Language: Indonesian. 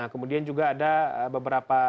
kemudian juga ada beberapa